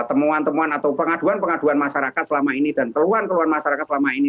temuan temuan atau pengaduan pengaduan masyarakat selama ini dan keluhan keluhan masyarakat selama ini